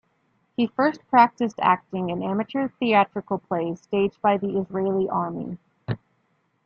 He first practiced acting in amateur theatrical plays staged by the Israeli Army.